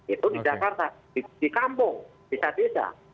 itu di jakarta di kampung bisa bisa